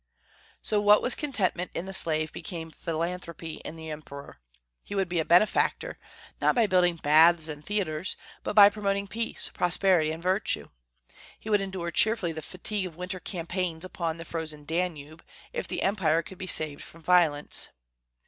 So, what was contentment in the slave became philanthropy in the emperor. He would be a benefactor, not by building baths and theatres, but by promoting peace, prosperity, and virtue. He would endure cheerfully the fatigue of winter campaigns upon the frozen Danube, if the Empire could be saved from violence.